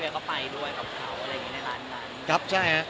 อ๋อก็ขอบคุณครับ